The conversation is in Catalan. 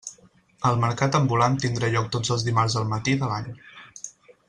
El mercat ambulant tindrà lloc tots els dimarts al matí de l'any.